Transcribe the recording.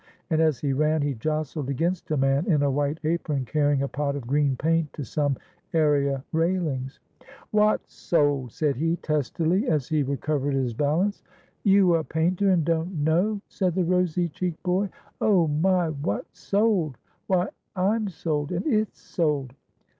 and, as he ran, he jostled against a man in a white apron, carrying a pot of green paint to some area railings. "Wot's sold?" said he, testily, as he recovered his balance. "You a painter, and don't know?" said the rosy cheeked boy. "Oh, my! Wot's sold? Why, I'm sold, and it's sold.